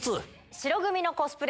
白組のコスプレ